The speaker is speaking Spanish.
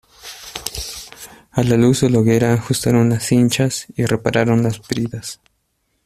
a la luz de la hoguera ajustaron las cinchas y repararon las bridas.